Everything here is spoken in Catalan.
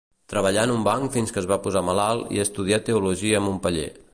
Treballà en un banc fins que es posà malalt i estudià teologia a Montpeller.